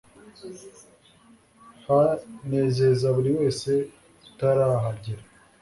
hanezeza buri wese utarahagera